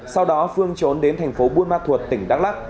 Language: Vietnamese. sau đó phương trốn đến tp bunma thuộc tỉnh đắk lắc